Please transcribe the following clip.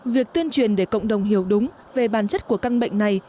việc tuyên truyền để cộng đồng hiểu đúng về bản chất của căn bệnh này